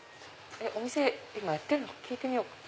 お店今やってるのか聞いてみようか。